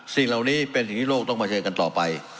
สิ่งเหล่านี้เป็นสิ่งที่โลกต้องเผชิญกันต่อไป